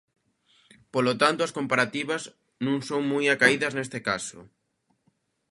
Polo tanto, as comparativas non son moi acaídas neste caso.